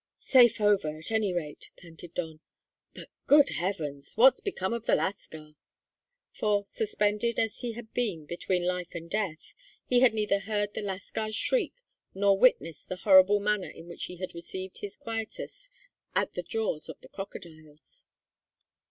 "Safe over, at any rate," panted Don. "But good heavens! what's become of the lascar?" For, suspended as he had been between life and death, he had neither heard the lascar's shriek nor witnessed the horrible manner in which he had received his quietus at the jaws of the crocodiles.